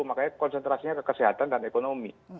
makanya konsentrasinya ke kesehatan dan ekonomi